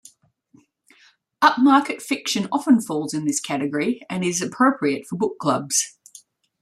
Upmarket fiction often falls in this category, and is appropriate for book clubs.